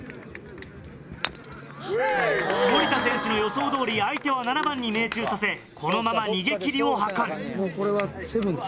森田選手の予想通り相手は７番に命中させこのまま逃げ切りを図る。